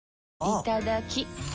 いただきっ！